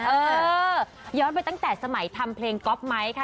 เออย้อนไปตั้งแต่สมัยทำเพลงก๊อปไมค์ค่ะ